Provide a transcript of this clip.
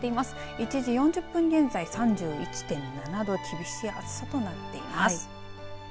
１時４０分現在３１．７度厳しい暑さとなっています。